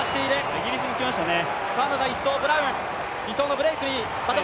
イギリスも来ましたね。